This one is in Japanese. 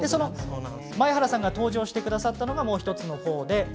前原さんが登場してくださったのがもう１つの方です。